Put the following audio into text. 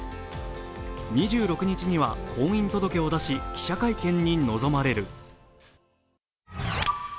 ２６日には婚姻届を出し記者会見に臨まれる。